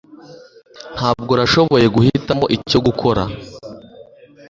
Ntabwo nashoboye guhitamo icyo gukora